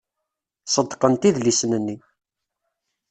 Ṣeddqent idlisen-nni.